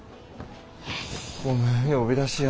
ごめん呼び出しや。